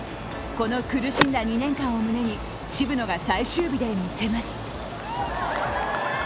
この苦しんだ２年間を胸に渋野が最終日でみせます。